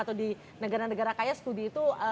atau di negara negara kaya studi itu